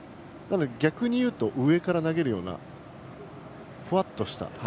逆に言うと上から投げるようなふわっとした球。